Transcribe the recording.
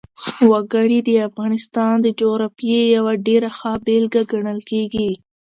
وګړي د افغانستان د جغرافیې یوه ډېره ښه بېلګه ګڼل کېږي.